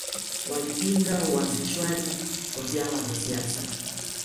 Walipinga uanzishwaji wa vyama vya siasa